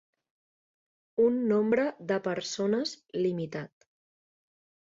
Un nombre de persones limitat.